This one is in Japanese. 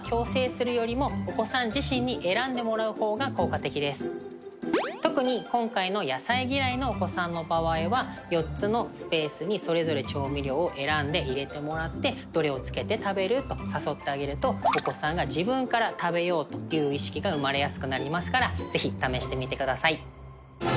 半ば強制するよりも特に今回の野菜嫌いのお子さんの場合は４つのスペースにそれぞれ調味料を選んで入れてもらって「どれを付けて食べる？」と誘ってあげるとお子さんが自分から食べようという意識が生まれやすくなりますから是非試してみてください。